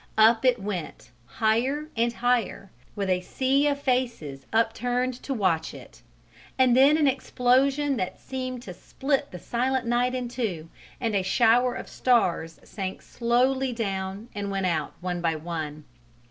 Up it went, higher and higher, with a sea of faces upturned to watch it, and then an explosion that seemed to split the silent night in two, and a shower of stars sank slowly down and went out one by one.